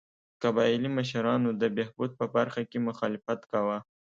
قبایلي مشرانو د بهبود په برخه کې مخالفت کاوه.